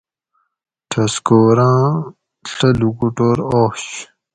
ٹھسکوراں ڷہ لوکوٹور آش